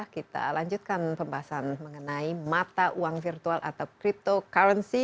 kita lanjutkan pembahasan mengenai mata uang virtual atau cryptocurrency